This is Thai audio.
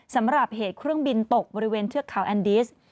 สำหรับเหตุเครื่องบินตกบริเวณเทือกเขาแอนดิส